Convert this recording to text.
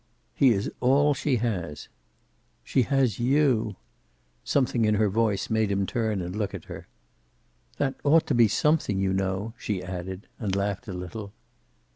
"He is all she has." "She has you." Something in her voice made him turn and look at her. "That ought to be something, you know," she added. And laughed a little.